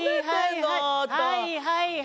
はいはい。